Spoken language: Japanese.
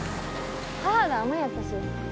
母が海女やったし。